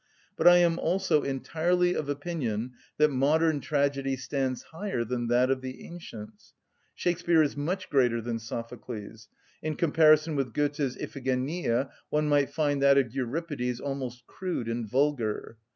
But I am also entirely of opinion that modern tragedy stands higher than that of the ancients. Shakspeare is much greater than Sophocles; in comparison with Goethe's Iphigenia one might find that of Euripides almost crude and vulgar.